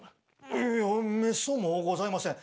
いやいやめっそうもございません。